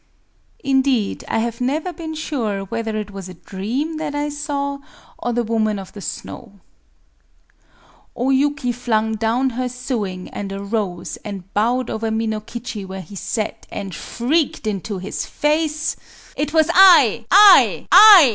Indeed, I have never been sure whether it was a dream that I saw, or the Woman of the Snow."... O Yuki flung down her sewing, and arose, and bowed above Minokichi where he sat, and shrieked into his face:— "It was I—I—I!